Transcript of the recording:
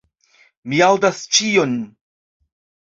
Mi aŭdas ĉion.